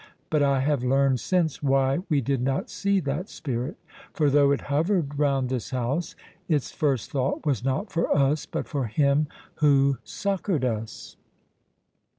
But I have learned since why we did not see that spirit; for though it hovered round this house, its first thought was not for us, but for him who succoured us."